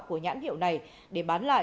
của nhãn hiệu này để bán lại